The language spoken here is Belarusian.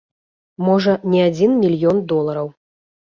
Можа, не адзін мільён долараў.